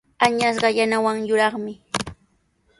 Añasqa yanawan yuraqmi.